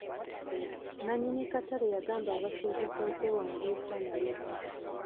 Nannyini katale yagamba abasuubuzi okwewandiisa naye.